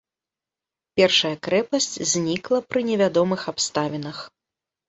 Першая крэпасць знікла пры невядомых абставінах.